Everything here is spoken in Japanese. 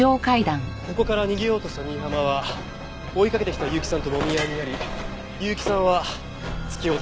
ここから逃げようとした新浜は追いかけてきた結城さんともみ合いになり結城さんは突き落とされた。